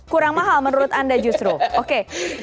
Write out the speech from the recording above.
kurang mahal menurut anda justru oke